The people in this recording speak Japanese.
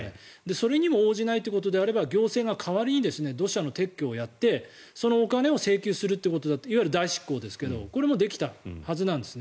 それにも応じないということであれば行政が代わりに土砂の撤去をやってそのお金を請求することだっていわゆる代執行ですけどこれもできたはずなんですね。